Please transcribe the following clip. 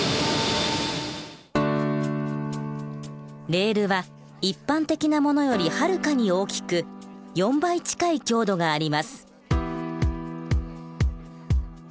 レールは一般的なものよりはるかに大きく４倍近い強度があります。